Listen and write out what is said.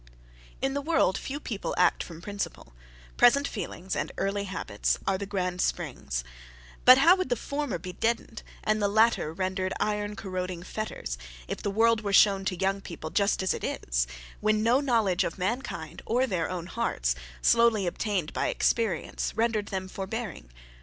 In the world few people act from principle; present feelings, and early habits, are the grand springs: but how would the former be deadened, and the latter rendered iron corroding fetters, if the world were shown to young people just as it is; when no knowledge of mankind or their own hearts, slowly obtained by experience rendered them forbearing?